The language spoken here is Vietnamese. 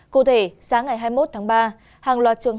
cụ thể sáng ngày hai mươi một tháng ba